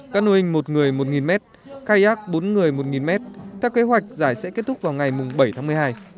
cơ nui ính một người một m khai ác bốn người một m theo kế hoạch giải sẽ kết thúc vào ngày bảy tháng một mươi hai